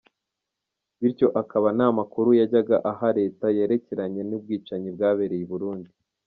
Bityo akaba nta makuru yajyaga aha Leta ye yerekeranye n’ ubwicanyi bwabereye i Burundi.